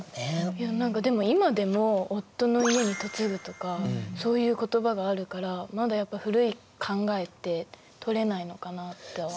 いや何かでも今でも「夫の家に嫁ぐ」とかそういう言葉があるからまだやっぱ古い考えって取れないのかなって思います。